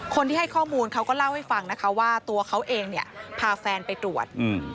คนที่ให้ข้อมูลเขาก็เล่าให้ฟังนะคะว่าตัวเขาเองเนี่ยพาแฟนไปตรวจ